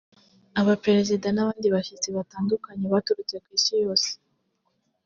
Abaperezida n’abandi bashyitsi batandukanye baturutse ku Isi yose